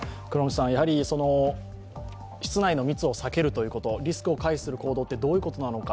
やはり室内の密を避けるということ、リスクを避ける行動はどういうことなのか。